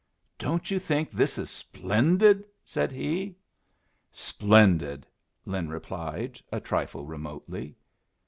"Don't you think this is splendid?" said he. "Splendid," Lin replied, a trifle remotely.